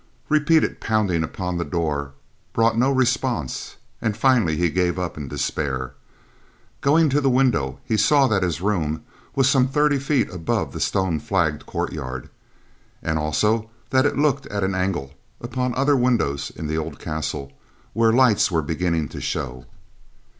Repeated pounding upon the door brought no response and finally he gave up in despair. Going to the window, he saw that his room was some thirty feet above the stone flagged courtyard, and also that it looked at an angle upon other windows in the old castle where lights were beginning to show.